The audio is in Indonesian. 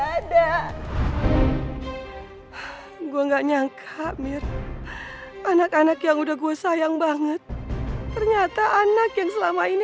ada gua enggak nyangka mir anak anak yang udah gue sayang banget ternyata anak yang selama ini